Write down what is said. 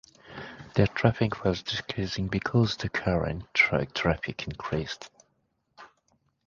Their traffic was decreasing because the car and truck traffic increased.